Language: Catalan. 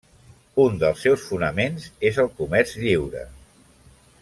Un dels seus fonaments és el comerç lliure.